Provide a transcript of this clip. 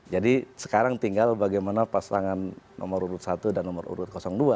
jadi sekarang tinggal bagaimana pasangan nomor urut satu dan nomor urut dua